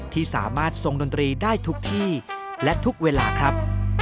ที่สามารถทรงดนตรีได้ทุกที่และทุกเวลาครับ